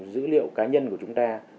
dữ liệu cá nhân của chúng ta